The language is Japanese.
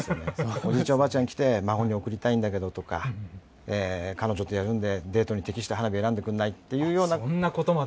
おじいちゃん、おばあちゃん来て、孫に贈りたいんだけどとか、彼女とやるんで、デートに適した花火、選んでくんない？というようなことで。